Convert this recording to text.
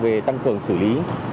về tăng cường xử lý